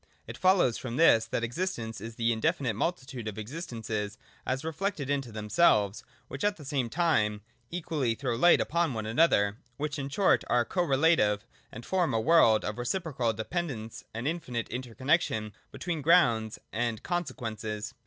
It follows from this that existence is the indefinite multitude of existents as reflected into themselves, which at the same time equally throw light upon one another, — which, in short, are co relative, and form a world of reciprocal depend ence and of infinite interconnexion between grounds and consequents.